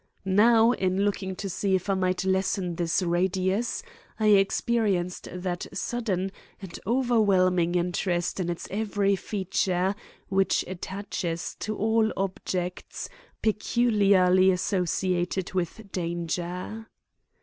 Now, in looking to see if I might not lessen this radius, I experienced that sudden and overwhelming interest in its every feature which attaches to all objects peculiarly associated with danger.